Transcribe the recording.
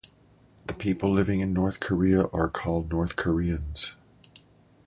The people living in North Korea are called North Koreans.